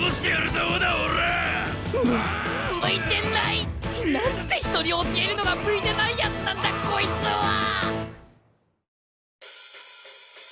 向いてない！なんて人に教えるのが向いてないやつなんだこいつは！